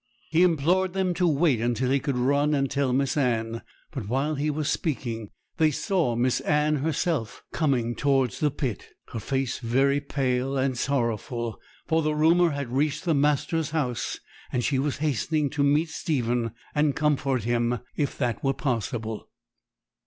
He implored them to wait until he could run and tell Miss Anne; but while he was speaking they saw Miss Anne herself coming towards the pit, her face very pale and sorrowful, for the rumour had reached the master's house, and she was hastening to meet Stephen, and comfort him, if that were possible.